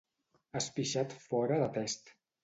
Has pixat fora de test.